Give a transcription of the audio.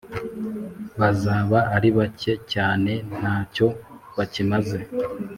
bazaba ari bake cyane, nta cyo bakimaze.»